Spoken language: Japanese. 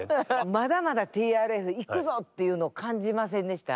まだまだＴＲＦいくぞっていうの感じませんでした？